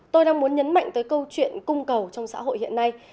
tôi đang muốn nhấn mạnh tới câu chuyện cung cầu trong xã hội hiện nay